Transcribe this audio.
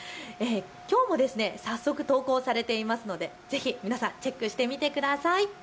きょうも早速投稿されていますのでぜひ皆さんチェックしてみてください。